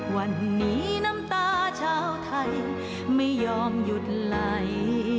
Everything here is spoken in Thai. วันนี้น้ำตาชาวไทยไม่ยอมหยุดไหล